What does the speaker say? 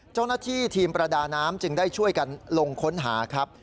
เจ้าหน้าที่ทีมประดาน้ำจึงได้ช่วยกันลงค้นหาครับ